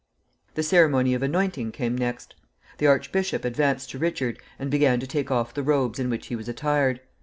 The ceremony of anointing came next. The archbishop advanced to Richard and began to take off the robes in which he was attired.